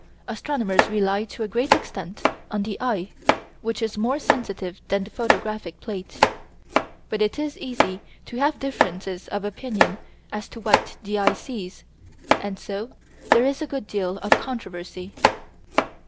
Astronomers rely to a great extent on the eye, which is more sensitive than the photographic plate. But it is easy to have differences of opinion as to what the eye sees, and so there is a good deal of controversy.